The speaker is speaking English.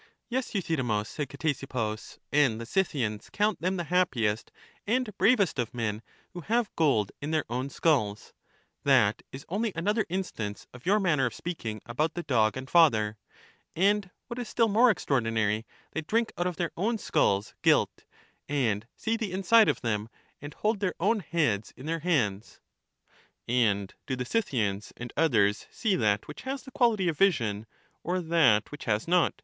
Yes, Euthydemus, said Ctesippus; and the Scyth ians count them the happiest and bravest of men who have gold in their own skulls (that is only another instance of your manner of speaking about the dog and father), and what is still more extraordinary, they drink out of their own skulls gilt, and see the inside of them, and hold their own heads in their hands. And do the Scythians and others see that which has the quality of vision, or that which has not?